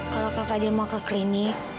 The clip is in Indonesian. kalau kak fadil mau ke klinik